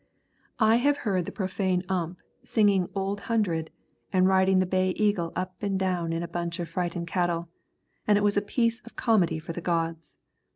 I have heard the profane Ump singing Old Hundred and riding the Bay Eagle up and down in a bunch of frightened cattle, and it was a piece of comedy for the gods.